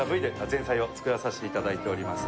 前菜を作らさせていただいております